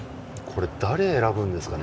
誰選ぶんですかね。